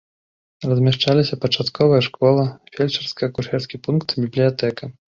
Размяшчаліся пачатковая школа, фельчарска-акушэрскі пункт, бібліятэка.